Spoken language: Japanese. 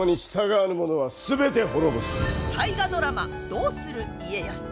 「どうする家康」。